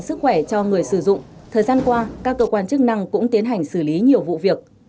để đảm bảo sức khỏe cho người sử dụng thời gian qua các cơ quan chức năng cũng tiến hành xử lý nhiều vụ việc